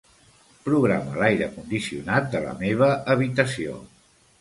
Programa l'aire condicionat de la meva habitació.